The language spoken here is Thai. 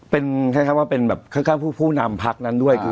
เป็นคล้างผู้นำพักนั้นด้วย